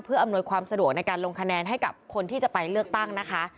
เพื่ออำนวยความสะดวกในการลงคะแนนให้กับคนที่จะไปเลือกตั้งนะคะ